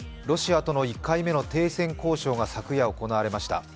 ロシアとの１回目の停戦交渉が昨夜行われました。